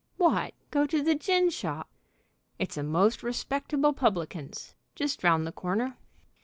"What! go to the gin shop?" "It's a most respectable publican's, just round the corner."